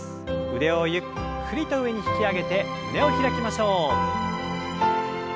腕をゆっくりと上に引き上げて胸を開きましょう。